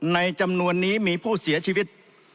จำนวนนี้มีผู้เสียชีวิต